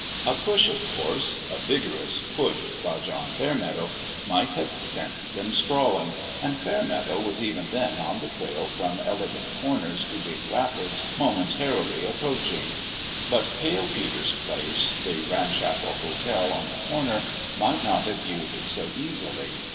A push, of course a vigorous push by John Fairmeadow might have sent them sprawling ; and Fairmeadow was even then on the trail from Elegant Corners to Big Rapids, momentarily 18 An ENGAGEMENT WITH GOD 19 approaching. But Pale Peter's place, the ram shackle hotel on the corner, might not have yielded so easily.